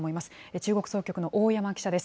中国総局の大山記者です。